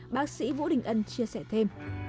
bác sĩ vũ đình ân chia sẻ thêm